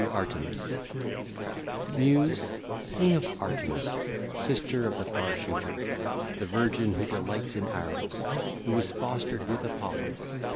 IX. TO ARTEMIS (ll. 1 6) Muse, sing of Artemis, sister of the Far shooter, the virgin who delights in arrows, who was fostered with Apollo.